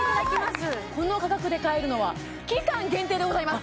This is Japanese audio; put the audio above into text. この価格で買えるのは期間限定でございます